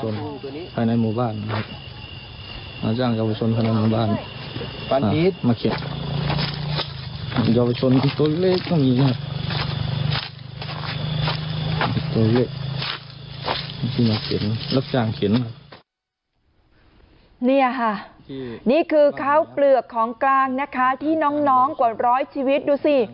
นี่ค่ะนี่คือข้าวเปลือกของกลางนะคะที่น้องกว่าร้อยชีวิตดูสิ